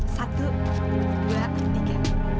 satu dua tiga